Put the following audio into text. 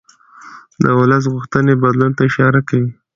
د ولس غوښتنې بدلون ته اشاره کوي